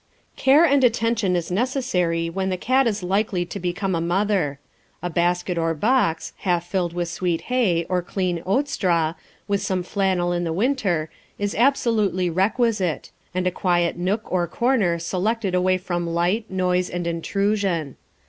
Care and attention is necessary when the cat is likely to become a mother. A basket or box, half filled with sweet hay, or clean oat straw, with some flannel in the winter, is absolutely requisite, and a quiet nook or corner selected away from light, noise, and intrusion.